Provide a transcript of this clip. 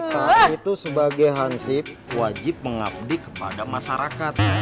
kita tuh sebagai hansip wajib mengabdi kepada masyarakat